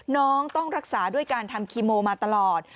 น้องต้องรักษาด้วยการทำคีโมมาตลอด